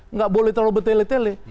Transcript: nggak boleh terlalu bertele tele